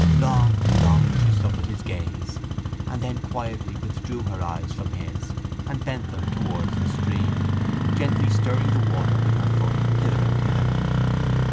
Long, long she suffered his gaze and then quietly withdrew her eyes from his and bent them towards the stream, gently stirring the water with her foot hither and thither.